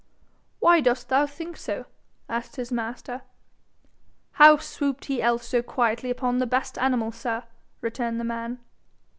'Why dost thou think so?' asked his master. 'How swooped he else so quietly upon the best animal, sir?' returned the man.